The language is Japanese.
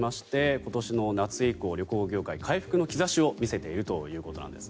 今年の夏以降旅行業界、回復の兆しを見せているということです。